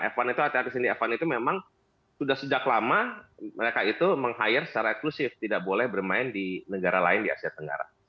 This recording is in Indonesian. f satu artis uni evan itu memang sudah sejak lama mereka itu meng hire secara eksklusif tidak boleh bermain di negara lain di asia tenggara